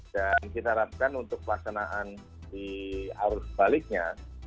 dan kita harapkan untuk pelaksanaan di arus baliknya